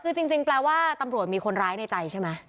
คือจริงแปลว่าตำรวจมีคนร้ายในใจใช่ไหม